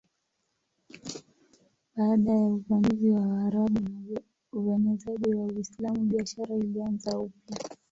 Baada ya uvamizi wa Waarabu na uenezaji wa Uislamu biashara ilianza upya.